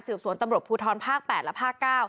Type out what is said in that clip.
สวนตำรวจภูทรภาค๘และภาค๙